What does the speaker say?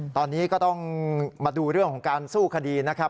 ตอนนี้ก็ต้องมาดูเรื่องของการสู้คดีนะครับ